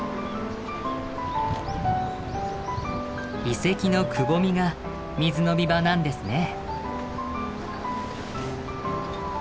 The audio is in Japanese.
遺跡のくぼみが水飲み場なんですね。